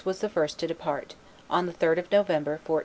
was the first to depart, on the 3d of November, 1408.